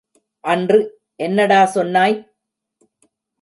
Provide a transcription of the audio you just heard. அன்று என்னடா சொன்னாய்?